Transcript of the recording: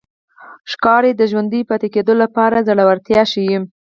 ښکاري د ژوندي پاتې کېدو لپاره زړورتیا ښيي.